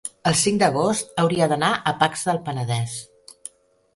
el cinc d'agost hauria d'anar a Pacs del Penedès.